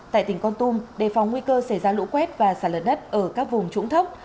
tại tỉnh con tum đề phòng nguy cơ xảy ra lũ quét và xả lở đất ở các vùng trũng thấp